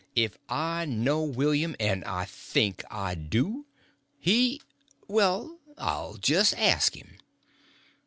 If I know William—and I think I do—he—well, I'll jest ask him."